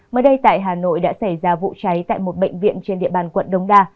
mới đây tại hà nội đã xảy ra vụ cháy tại một bệnh viện trên địa bàn quận đống đa